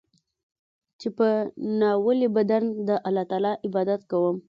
چې په ناولي بدن د الله عبادت کوم.